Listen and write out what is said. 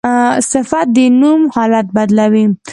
صفت د نوم حالت بدلوي.